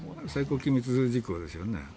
最高機密事項ですよね。